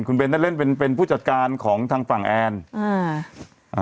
คุณเบนได้เล่นเป็นเป็นผู้จัดการของทางฝั่งแอนอ่า